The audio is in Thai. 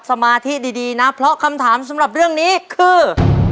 สมาธิดีนะเพราะคำถามสำหรับเรื่องนี้คือ